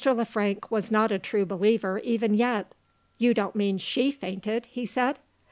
Le Frank was not a true believer, even yet. "You don't mean she fainted!" he said.